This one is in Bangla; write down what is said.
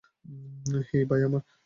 হেই, ভাই আমার।